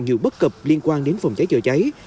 nhiều bất cập liên quan đến phòng cháy chữa cháy